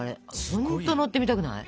ほんと乗ってみたくない？